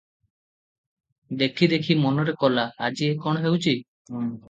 ଦେଖି ଦେଖି ମନରେ କଲା, ଆଜି ଏ କଣ ହେଉଛି ।